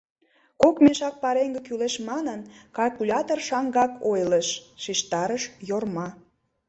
— Кок мешак пареҥге кӱлеш манын, калькулятор шаҥгак ойлыш, — шижтарыш Йорма.